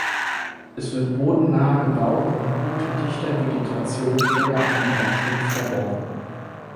Es wird Boden nahe gebaut und gut in dichter Vegetation oder einem Baumstumpf verborgen.